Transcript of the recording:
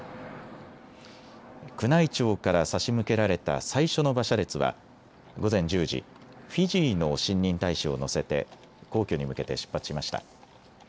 宮内庁から差し向けられた最初の馬車列は午前１０時、フィジーの新任大使を乗せて皇居に向けて出発しました。